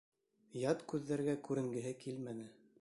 Ят күҙҙәргә күренгеһе килмәне.